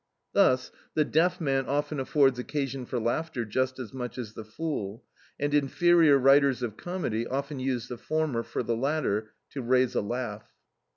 Thus the deaf man often affords occasion for laughter, just as much as the fool, and inferior writers of comedy often use the former for the latter to raise a laugh.